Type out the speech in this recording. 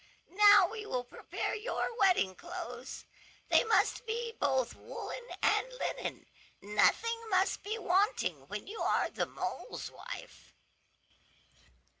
Now we will prepare your wedding clothes. They must be both woollen and linen. Nothing must be wanting when you are the mole's wife."